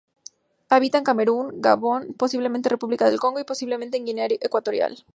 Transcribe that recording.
Habita en Camerún, Gabón, posiblemente República del Congo y posiblemente Guinea Ecuatorial.